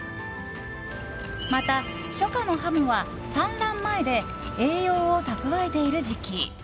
また、初夏のハモは産卵前で栄養を蓄えている時期。